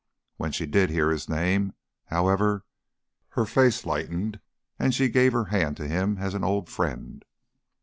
When she did hear his name, however, her face lightened and she gave her hand to him as to an old friend.